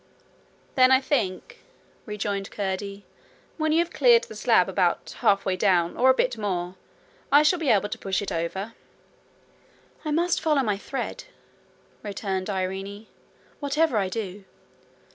'Then, I think,' rejoined Curdie, 'when you have cleared the slab about half way down, or a bit more, I shall be able to push it over.' 'I must follow my thread,' returned Irene, 'whatever I do.'